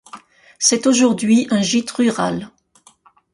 C’est aujourd’hui un gîte rural.